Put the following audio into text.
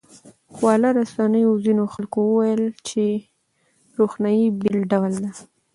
خواله رسنیو ځینې خلک وویل چې روښنايي بېل ډول ده.